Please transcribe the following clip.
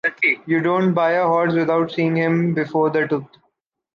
You don't buy a horse without seeing him before the tooth.